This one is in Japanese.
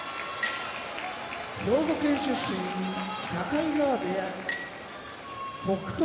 兵庫県出身境川部屋北勝